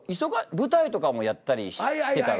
舞台とかもやったりしてたら。